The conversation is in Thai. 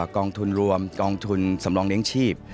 กองทุนรวมกองทุนสำรองเลี้ยงชีพ